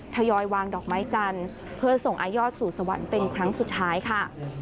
ทยอยวางดอกไม้จันทร์เพื่อส่งอายอดสู่สวรรค์เป็นครั้งสุดท้ายค่ะ